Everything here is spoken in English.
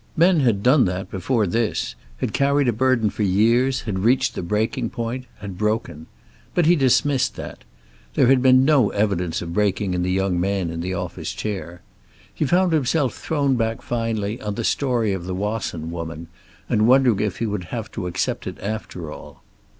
Men had done that before this, had carried a burden for years, had reached the breaking point, had broken. But he dismissed that. There had been no evidence of breaking in the young man in the office chair. He found himself thrown back, finally, on the story of the Wasson woman, and wondering if he would have to accept it after all.